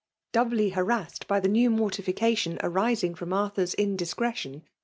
231 Doubly harassed by the new mof tificatioa aiising fitnn Artkor^s indiscrettoii.